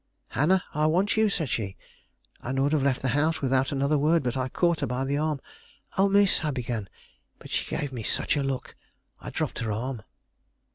"Hannah, I want you," said she, and would have left the house without another word, but I caught her by the arm. "Oh, miss " I began, but she gave me such a look, I dropped her arm.